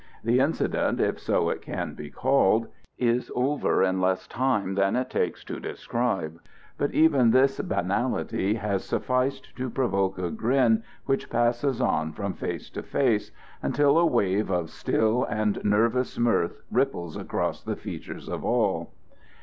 The incident, if so it can be called, is over in less time than it takes to describe; but even this banality has sufficed to provoke a grin which passes on from face to face, until a wave of still and nervous mirth ripples across the features of all.